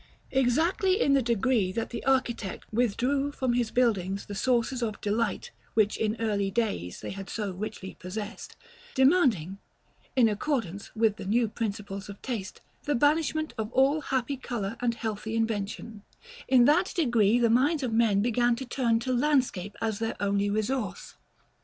Exactly in the degree that the architect withdrew from his buildings the sources of delight which in early days they had so richly possessed, demanding, in accordance with the new principles of taste, the banishment of all happy color and healthy invention, in that degree the minds of men began to turn to landscape as their only resource.